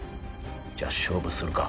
じゃあ勝負するか。